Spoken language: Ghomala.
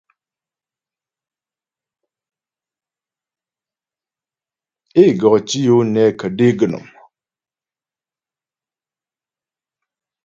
É go tǐ yo nɛ kə̀dé gə̀nɔ́m.